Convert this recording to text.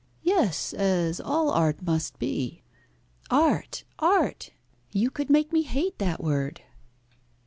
"Yes, as all art must be." "Art! art! You could make me hate that word!"